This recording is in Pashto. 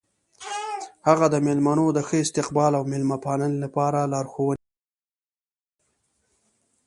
هغه د میلمنو د ښه استقبال او میلمه پالنې لپاره لارښوونې وکړې.